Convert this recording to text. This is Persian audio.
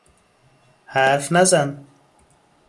حرف نزن.